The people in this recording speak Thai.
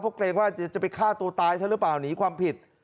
เพราะเกรงว่าจะไปฆ่าตัวตายซะหรือเปล่าหนีความผิด